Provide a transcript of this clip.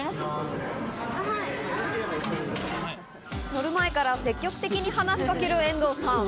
乗る前から積極的に話しかける遠藤さん。